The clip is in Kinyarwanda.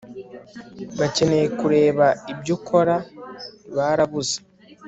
Bakeneye kureba ibyo ukora barabuze